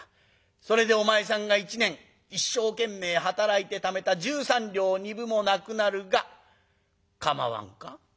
それでお前さんが一年一生懸命働いてためた十三両二分もなくなるが構わんか？